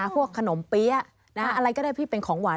ขนมเปี๊ยะอะไรก็ได้พี่เป็นของหวาน